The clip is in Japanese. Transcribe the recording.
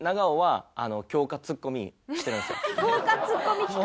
強化ツッコミ期間？